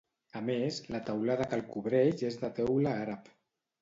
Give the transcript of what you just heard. A més, la teulada que el cobreix és de teula àrab.